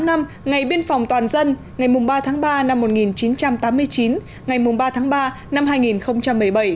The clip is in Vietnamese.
bảy mươi năm năm ngày biên phòng toàn dân ngày ba tháng ba năm một nghìn chín trăm tám mươi chín ngày ba tháng ba năm hai nghìn một mươi bảy